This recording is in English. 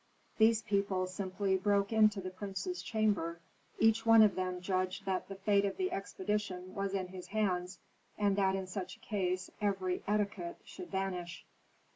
These people simply broke into the prince's chamber: each one of them judged that the fate of the expedition was in his hands, and that in such a case every etiquette should vanish.